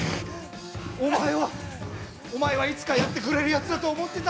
お前はお前はいつかやってくれるやつだと思ってた。